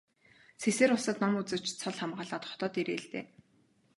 Сэсээр улсад ном үзэж цол хамгаалаад хотод ирээ л дээ.